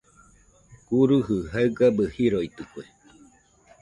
Guruji jaigabɨ jiroitɨkue.